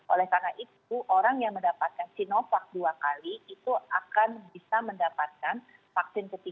oleh karena itu orang yang mendapatkan sinovac dua kali itu akan bisa mendapatkan vaksin ketiga